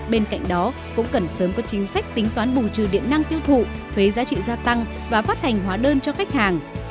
bên cạnh đó cũng cần sớm có chính sách tính toán bù trừ điện năng tiêu thụ thuế giá trị gia tăng và phát hành hóa đơn cho khách hàng